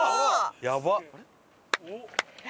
やばっ。